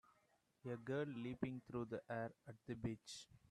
A girl leaping through the air at the beach.